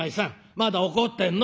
まだ怒ってんの？」。